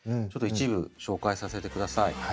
ちょっと一部紹介させてください。